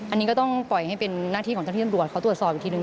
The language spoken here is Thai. อันนี้ก็ต้องปล่อยให้เป็นหน้าที่ของเจ้าที่ตำรวจเขาตรวจสอบอีกทีหนึ่ง